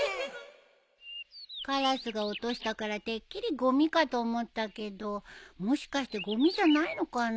カラスが落としたからてっきりごみかと思ったけどもしかしてごみじゃないのかな？